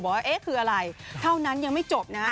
ว่าเอ๊ะคืออะไรเท่านั้นยังไม่จบนะฮะ